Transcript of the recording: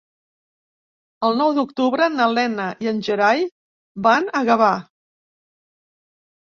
El nou d'octubre na Lena i en Gerai van a Gavà.